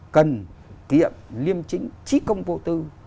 cần kiệm liêm chính trí công vô tư